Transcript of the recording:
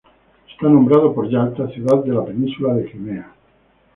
Está nombrado por Yalta, ciudad de la península de Crimea.